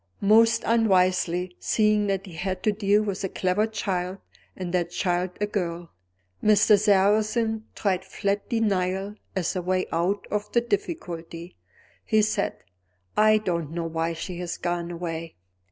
Most unwisely (seeing that he had to deal with a clever child, and that child a girl), Mr. Sarrazin tried flat denial as a way out of the difficulty. He said: "I don't know why she has gone away."